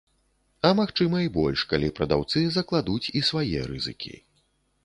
А магчыма і больш, калі прадаўцы закладуць і свае рызыкі.